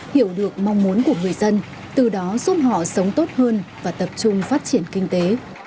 hiểu được mong muốn của người dân từ đó giúp họ sống tốt hơn và tập trung phát triển kinh tế